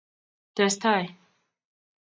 tes tai